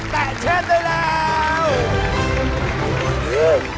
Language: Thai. แตะเช็ดเลยแล้ว